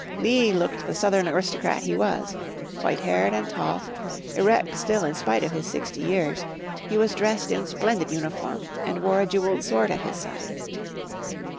Lee looked the Southern aristocrat he was. White haired and tall, erect still in spite of his sixty years, he was dressed in splendid uniform, and wore a jeweled sword at his side.